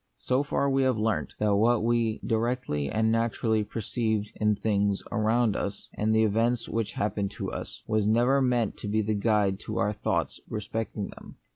So far we have learnt, that what we directly and naturally perceive in the things around 1 us, and the events which happen to us, was never meant to be the guide to our thoughts respecting them.